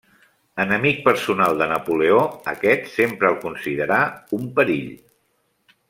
Enemic personal de Napoleó, aquest sempre el considerà un perill.